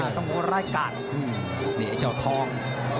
ต้องก็รายกัดอือนี่ไอ้เจ้าทอง